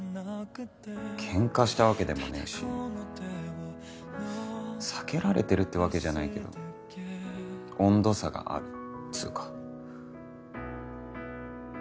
ケンカしたわけでもねえし避けられてるってわけじゃないけど温度差があるっつうか。